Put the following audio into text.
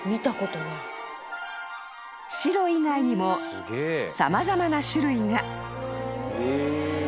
［白以外にも様々な種類が］